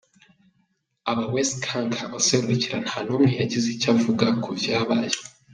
Aba West canke abamuserukira nta numwe yagize ico avuga ku vyabaye.